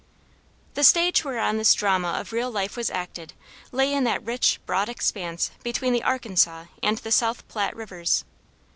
The stage whereon this drama of real life was acted lay in that rich, broad expanse between the Arkansas and the South Platte Rivers.